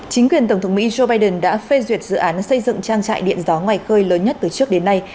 chính quyền tổng thống mỹ joe biden đã phê duyệt dự án xây dựng trang trại điện gió ngoài khơi lớn nhất từ trước đến nay